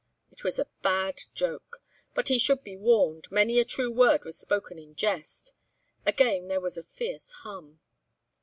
It was a bad joke. But he should be warned; many a true word was spoken in jest. Again there was a fierce hum.